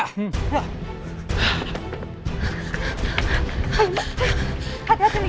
aduh aduh aduh aduh